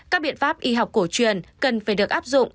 các biện pháp y học cổ truyền cần phải được áp dụng